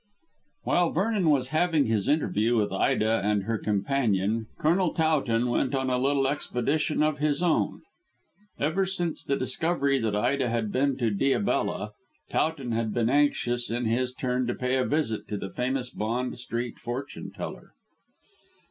While Vernon was having his interview with Ida and her companion Colonel Towton went on a little expedition of his own. Ever since the discovery that Ida had been to Diabella, Towton had been anxious, in his turn, to pay a visit to the famous Bond Street fortune teller.